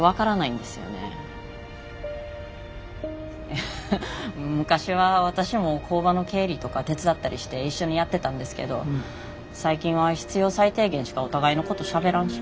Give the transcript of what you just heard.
いや昔は私も工場の経理とか手伝ったりして一緒にやってたんですけど最近は必要最低限しかお互いのことしゃべらんし。